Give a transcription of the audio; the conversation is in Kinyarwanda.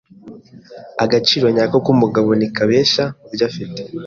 Agaciro nyako k'umugabo ntikabeshya mubyo afite.